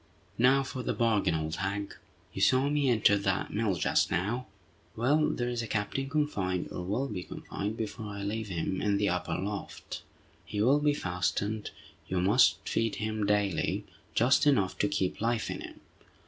"Now for the bargain, old hag. You saw me enter that mill just now? Well, there is a captain confined, or will be confined before I leave him, in the upper loft. He will be fastened. You must feed him daily, just enough to keep life in him.